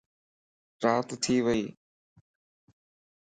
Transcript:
رات ٿي ويئي